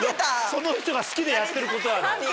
その人が好きでやってることなんだから。